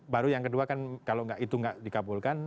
baru yang kedua kan kalau itu nggak dikabulkan